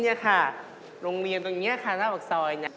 เรียนที่นี่ค่ะโรงเรียนตรงนี้ค่ะหน้าบักซอยน่ะ